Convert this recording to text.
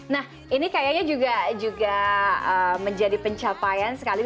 nah ini kayaknya juga menjadi pencapaian sekali